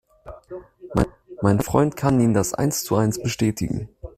Mein Freund kann Ihnen das eins zu eins bestätigen.